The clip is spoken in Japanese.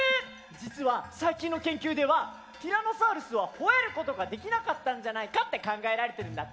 実は最近の研究ではティラノサウルスはほえることができなかったんじゃないかって考えられてるんだって。